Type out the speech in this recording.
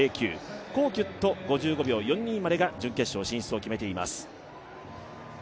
コウキュット、５５秒４２までが準決勝進出を決めています。